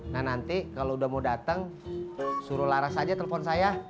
nah nanti kalau udah mau datang suruh laras saja telepon saya